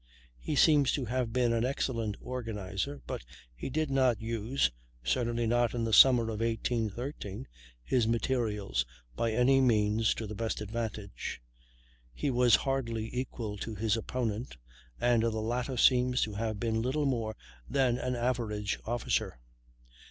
He seems to have been an excellent organizer, but he did not use (certainly not in the summer of 1813) his materials by any means to the best advantage. He was hardly equal to his opponent, and the latter seems to have been little more than an average officer.